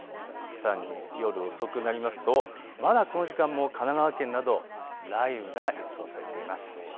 さらに夜遅くなりますとまだこの時間も神奈川県など雷雨が予想されています。